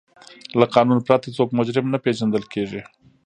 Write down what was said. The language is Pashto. له قانون پرته څوک مجرم نه پیژندل کیږي.